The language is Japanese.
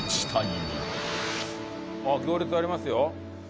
あっ行列ありますよ。